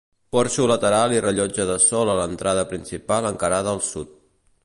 Porxo lateral i rellotge de sol a l'entrada principal encarada al sud.